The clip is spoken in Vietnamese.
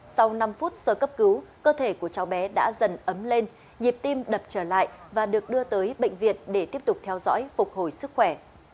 sau năm phút sơ cấp cứu cơ thể của cháu bé đã dần ấm lên nhịp tim đập trở lại và được đưa tới bệnh viện để tiếp tục theo dõi phục hồi sức khỏe